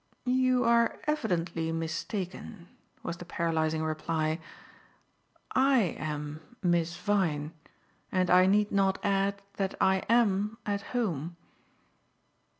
"You are evidently mistaken," was the paralyzing reply. "I am Miss Vyne; and I need not add that I am at home."